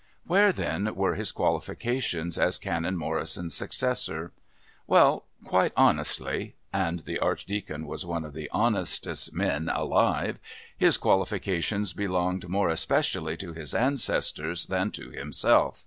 Where, then, were his qualifications as Canon Morrison's successor? Well, quite honestly and the Archdeacon was one of the honestest men alive his qualifications belonged more especially to his ancestors rather than to himself.